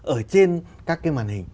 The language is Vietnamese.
ở trên các cái màn hình